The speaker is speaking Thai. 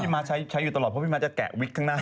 ม้าใช้อยู่ตลอดเพราะพี่ม้าจะแกะวิกข้างหน้า